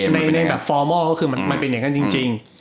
ในแบบฟอร์มอลก็คือมันเป็นอย่างนั้นจริง